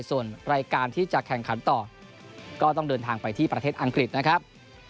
ส่วนรายการที่จะแข่งขันต่อก็ต้องเดินทางไปที่ประเทศอังกฤษนะครับ